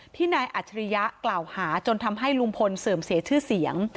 นายอัจฉริยะกล่าวหาจนทำให้ลุงพลเสื่อมเสียชื่อเสียง